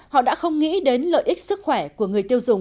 họ đã không nghĩ đến lợi ích sức khỏe của người tiêu dùng